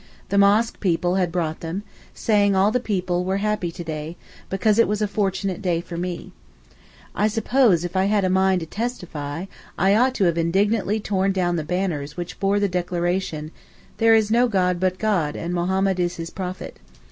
The mosque people had brought them, saying all the people were happy to day, because it was a fortunate day for me. I suppose if I had had a mind to testify, I ought to have indignantly torn down the banners which bore the declaration, 'There is no God but God, and Mohammed is His Prophet.